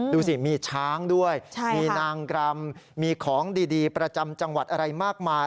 ดูสิมีช้างด้วยมีนางรำมีของดีประจำจังหวัดอะไรมากมาย